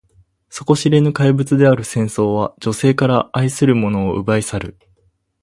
底知れぬ怪物である戦争は、女性から愛する者を奪い去る。